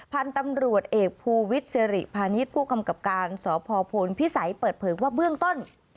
พันธุ์ตำรวจเอกภูวิทย์สิริพาณิชย์ผู้กำกับการสพพลพิสัยเปิดเผยว่าเบื้องต้น